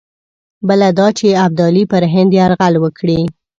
بله دا چې ابدالي پر هند یرغل وکړي.